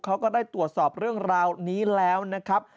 เขาก็ได้ตรวจสอบเรื่องราวนี้แล้วนะครับ